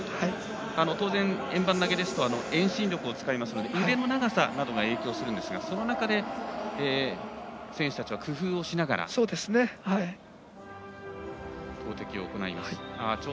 当然、円盤投げですと遠心力を使いますので腕の長さなどが影響するんですがその中で選手たちは工夫しながら投てきを行います。